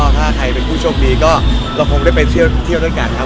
ถ้าใครเป็นผู้โชคดีก็เราคงได้ไปเที่ยวด้วยกันครับ